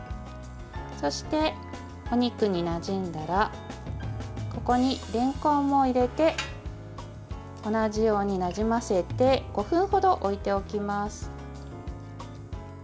そして、お肉になじんだらここにれんこんを入れて同じようになじませて５分ほど置いておきます。